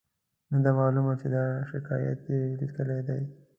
نه ده معلومه چې دا شکایت یې لیکلی دی.